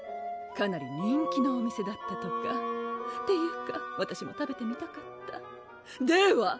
かなり人気のお店だったとかっていうかわたしも食べてみたかったでは！